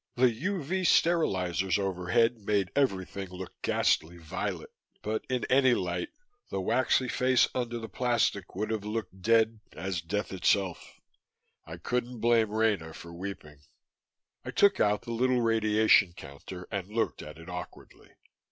The UV sterilizers overhead made everything look ghastly violet, but in any light, the waxy face under the plastic would have looked dead as death itself. I couldn't blame Rena for weeping. I took out the little radiation counter and looked at it awkwardly.